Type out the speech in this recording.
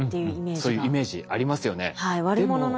そういうイメージありますよね。